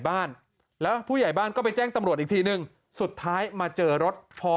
บ้านแล้วผู้ใหญ่บ้านก็ไปแจ้งตำรวจอีกทีนึงสุดท้ายมาเจอรถพอ